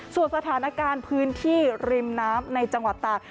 ส่วนสถานการณ์พื้นที่ริมน้ำในจังหวัดตาก